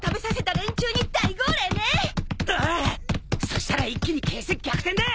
そしたら一気に形勢逆転だ！